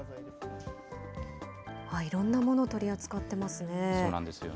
いろんなものを取り扱ってますね。